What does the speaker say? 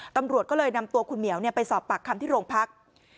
ตำรวจก็เลยนำตัวคุณเหมียวไปสอบปากคำที่โรงพัก